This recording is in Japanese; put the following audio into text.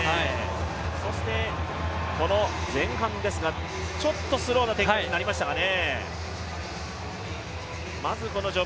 そしてこの前半ですが、ちょっとスローな展開になりましたかね。